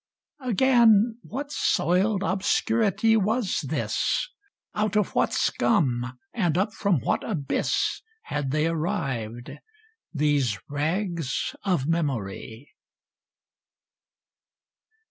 — Again, what soiled obscurity was this: Out of what scum, and up from what abyss. Had they arrived — ^these rags of memoiy?